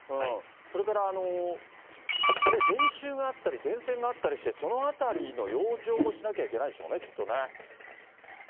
それから、電柱があったり電線があったりして、そのあたりの養生もしなきゃいけないでしょうね、きっとね。